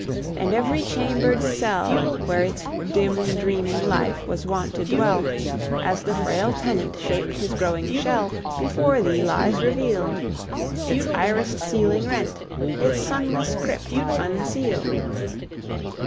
And every chambered cell, Where its dim dreaming life was wont to dwell, As the frail tenant shaped his growing shell, Before thee lies revealed, Its irised ceiling rent, its sunless crypt unsealed!